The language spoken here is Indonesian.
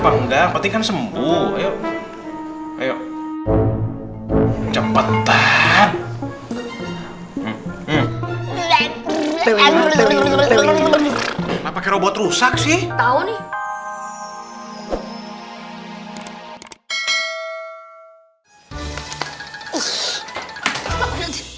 pakai robot rusak sih tahu nih